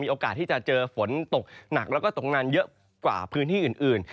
โอกาสที่จะเจอฝนตกหนักแล้วก็ตกนานเยอะกว่าพื้นที่อื่น